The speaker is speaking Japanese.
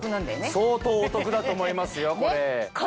相当お得だと思いますよこれ。